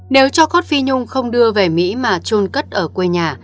nếu cho khut phi nhung không đưa về mỹ mà trôn cất ở quê nhà